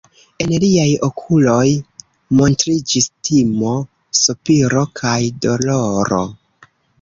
En liaj okuloj montriĝis timo, sopiro kaj doloro.